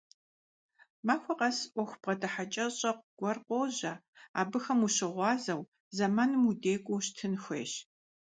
Махуэ къэс Ӏуэху бгъэдыхьэкӀэщӀэ гуэр къожьэ, абыхэм ущыгъуазэу, зэманым удекӀуу ущытын хуейщ.